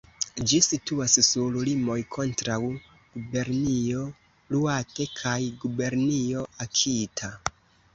Ĝi situas sur limoj kontraŭ Gubernio Iŭate kaj Gubernio Akita.